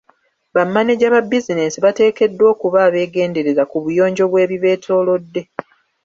Ba maneja ba bizinesi bateekeddwa okuba abeegendereza ku buyonjo bw'ebibeetoolodde.